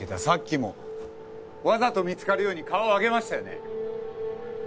さっきもわざと見つかるように顔を上げましたよね。